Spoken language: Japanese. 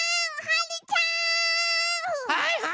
はい！